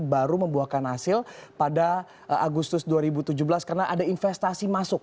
baru membuahkan hasil pada agustus dua ribu tujuh belas karena ada investasi masuk